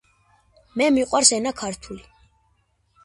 მე მიყვარს ენა ქართული.